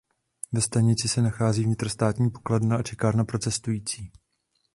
Ve stanici se nachází vnitrostátní pokladna a čekárna pro cestující.